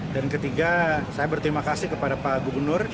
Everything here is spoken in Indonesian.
dan ketiga saya berterima kasih kepada pak gubernur